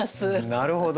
なるほど。